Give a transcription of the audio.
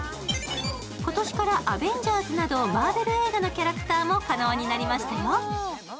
今年からアベンジャーズなど、マーベル映画のキャラクターも可能になりましたよ。